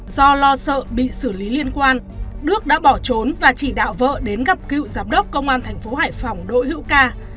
do lo sợ bị xử lý liên quan đức đã bỏ trốn và chỉ đạo vợ đến gặp cựu giám đốc công an thành phố hải phòng đỗ hữu ca